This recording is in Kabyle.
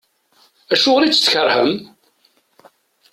Acuɣer i tt-tkerhem?